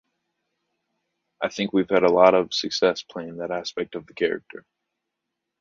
I think we've had a lot of success playing that aspect of the character.